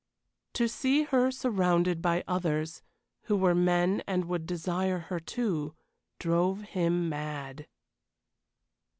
To see her surrounded by others who were men and would desire her, too drove him mad.